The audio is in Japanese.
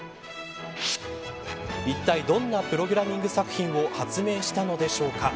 いったい、どんなプログラミングを発表したのでしょうか。